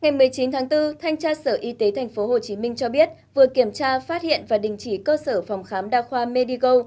ngày một mươi chín tháng bốn thanh tra sở y tế tp hcm cho biết vừa kiểm tra phát hiện và đình chỉ cơ sở phòng khám đa khoa medigo